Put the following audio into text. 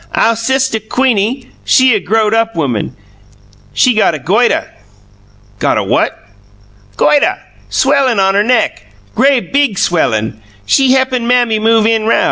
"Ow sistuh Queenie, she a growed up woman; she got a goituh." "Got a what?" "Goituh. Swellin' on her neck grea' big swellin'. She heppin' mammy move in now.